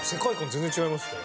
全然違いますね。